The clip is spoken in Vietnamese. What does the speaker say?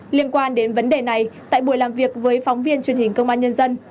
liên quan đến vấn đề này tại buổi làm việc với phóng viên truyền hình công an nhân dân